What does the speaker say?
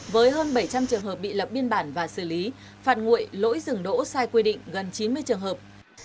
với hơn bảy trăm linh trường hợp bị lập biên bản và xử lý phạt nguội lỗi dừng đỗ sai quy định gần chín mươi trường hợp